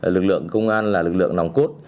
lực lượng công an là lực lượng nòng cốt